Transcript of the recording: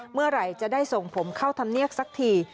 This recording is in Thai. เมื่อไหร่จะได้ส่งผมเข้าธรรมเนียบสักที